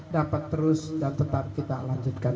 dapat terus dan tetap kita lanjutkan